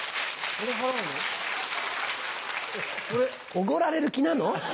おごられる気なの？